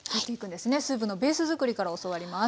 スープのベース作りから教わります。